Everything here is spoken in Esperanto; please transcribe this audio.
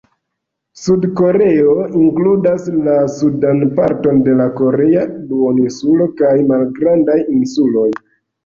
Sud-Koreo inkludas la sudan parton de korea duoninsulo kaj malgrandaj insuloj.